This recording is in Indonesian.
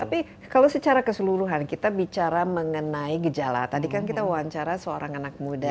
tapi kalau secara keseluruhan kita bicara mengenai gejala tadi kan kita wawancara seorang anak muda